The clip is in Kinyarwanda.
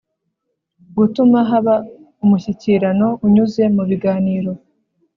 Gutuma haba umushyikirano unyuze mu biganiro.